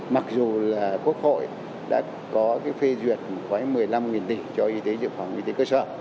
mặc dù là quốc hội đã có cái phê duyệt gói một mươi năm tỷ cho y tế dự phòng y tế cơ sở